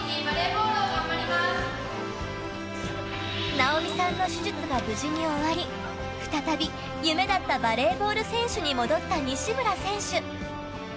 直美さんの手術が無事に終わり再び夢だったバレーボール選手に戻った西村選手。